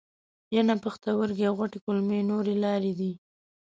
ینه، پښتورګي او غټې کولمې نورې لارې دي.